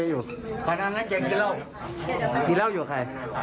อยู่กับผมนี่แหละ